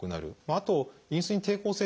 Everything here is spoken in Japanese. あとインスリン抵抗性ですね